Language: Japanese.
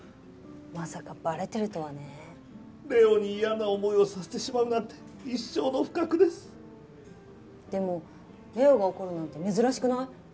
まさかばれてるとはねれおに嫌な思いをさせてしまうなんて一生の不覚ですでもれおが怒るなんて珍しくない？